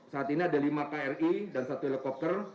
saat ini ada lima kri dan satu helikopter